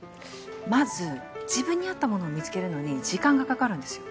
まず自分に合ったものを見つけるのに時間がかかるんですよ。